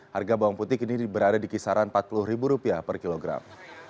harga bawang putih kini berada di kisaran rp empat puluh per kilogram